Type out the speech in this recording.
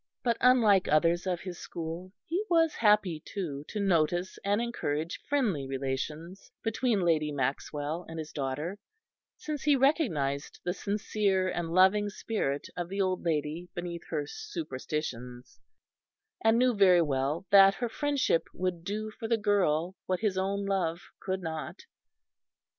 But unlike others of his school he was happy too to notice and encourage friendly relations between Lady Maxwell and his daughter, since he recognised the sincere and loving spirit of the old lady beneath her superstitions, and knew very well that her friendship would do for the girl what his own love could not.